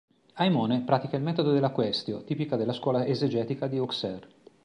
Aimone pratica il metodo della "quaestio", tipica della scuola esegetica di Auxerre.